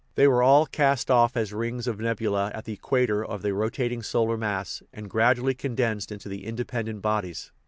They were all cast off as rings of nebula at the equator of the ro tating solar mass, and gradually condensed into inde pendent bodies.